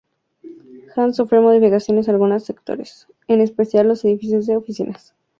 Han sufrido modificaciones algunos sectores, en especial los edificios de oficinas.